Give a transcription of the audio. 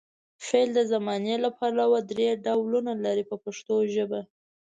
فعل د زمانې له پلوه درې ډولونه لري په پښتو ژبه.